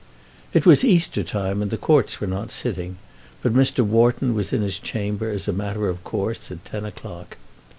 It was Easter time and the courts were not sitting, but Mr. Wharton was in his chamber as a matter of course at ten o'clock.